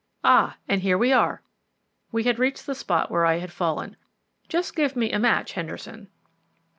Ah! and here we are!" We had reached the spot where I had fallen. "Just give me a match, Henderson."